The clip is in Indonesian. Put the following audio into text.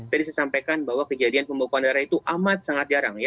jadi saya sampaikan bahwa kejadian pembekuan darah itu amat sangat jarang